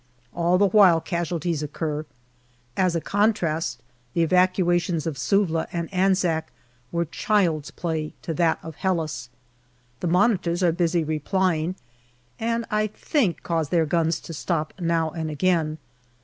All the while casualties occur. As a contrast, the evacuations of Suvla and Anzac were child's play to that of Helles. The Monitors are busily replying, and I think cause their guns to stop now and again.